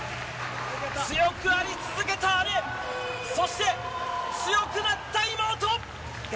強くあり続けた姉そして強くなった妹！